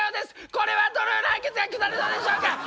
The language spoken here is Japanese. これはどのような判決が下るのでしょうか？